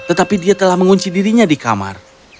tetapi dia telah mengunci dirinya di kamar